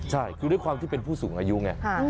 ใช่คือด้วยความที่เป็นผู้สูงอายุไง